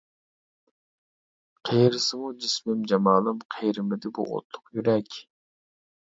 قېرىسىمۇ جىسمىم، جامالىم، قېرىمىدى بۇ ئوتلۇق يۈرەك.